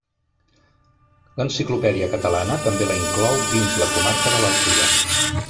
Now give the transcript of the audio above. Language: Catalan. L'Enciclopèdia Catalana també la inclou dins la comarca de l'Alcoià.